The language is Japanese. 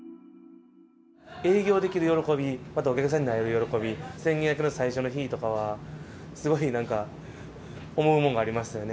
営業できる喜び、またお客さんに会える喜び、宣言明けの最初の日とかは、すごいなんか思うもんがありましたよね。